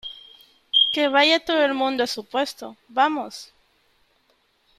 que vaya todo el mundo a su puesto .¡ vamos !